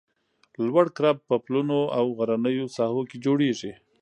لوړ کرب په پلونو او غرنیو ساحو کې جوړیږي